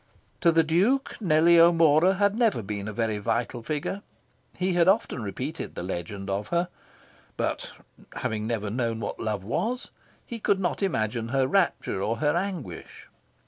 To the Duke, Nellie O'Mora had never been a very vital figure. He had often repeated the legend of her. But, having never known what love was, he could not imagine her rapture or her anguish.